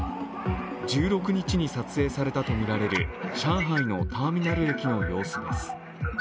１６日に撮影されたとみられる上海のターミナル駅の様子です。